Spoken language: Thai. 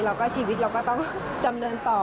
แล้วก็ชีวิตเราก็ต้องดำเนินต่อ